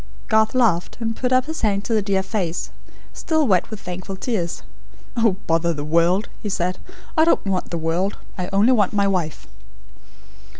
Garth laughed, and put up his hand to the dear face, still wet with thankful tears. "Oh, bother the world!" he said. "I don't want the world. I only want my wife."